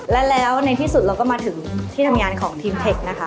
แล้วในที่สุดเราก็มาถึงที่ทำงานของทีมเทคนะคะ